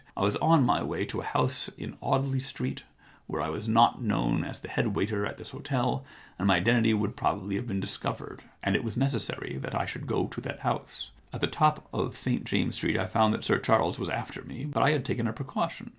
I was on my way to a house in Audley Street where I was not known as the head waiter at this 117 The Problem Club hotel, and my identity would probably have been discovered ; and it was necessary I should go to that house. At the top of St James*s Street I found that Sir Charles was after me. But I had taken a precaution.